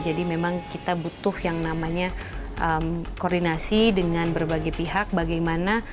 jadi memang kita butuh yang namanya koordinasi dengan berbagai pihak bagaimana